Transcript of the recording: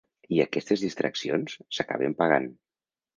I aquestes distraccions, s’acaben pagant.